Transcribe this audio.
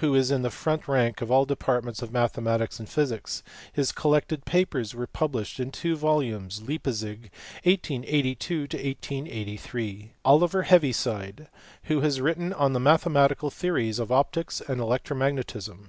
466), who is in the front rank of all departments of mathematical physics : his collected papers were published in two volumes, Leipzig, 1882 3. Oliver Heaviside, who has written on the mathematical theories of optics and electromagnetism.